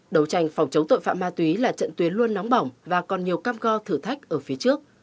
đấu tranh phòng chống tội phạm ma túy là trận tuyến luôn nóng bỏng và còn nhiều cam go thử thách ở phía trước